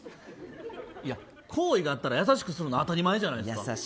好意があったら優しくするのあたりまえじゃないですか。